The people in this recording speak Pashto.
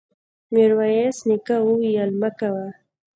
ميرويس نيکه وويل: مه کوه!